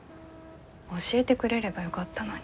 教えてくれればよかったのに。